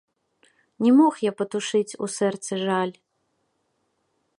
Не мог я патушыць у сэрцы жаль.